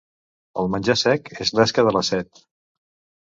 El menjar sec és l'esca de la set.